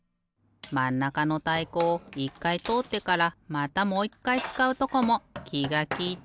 まんなかのたいこを１かいとおってからまたもう１かいつかうとこもきがきいてる。